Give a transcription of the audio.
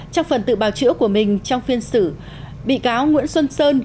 trong phần tự bào chữa của mình trong phiên xử bị cáo nguyễn xuân sơn